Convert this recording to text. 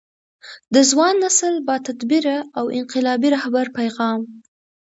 د ځوان نسل با تدبیره او انقلابي رهبر پیغام